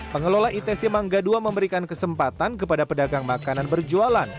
pengelola itc mangga ii memberikan kesempatan kepada pedagang makanan berjualan